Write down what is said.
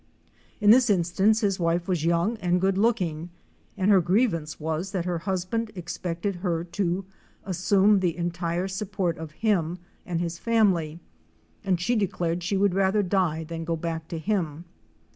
In this instance the wife was young and good looking, and her grievance was that her husband expected her to assume the entire support of him and his family, and she declared she would rather die than go back to him.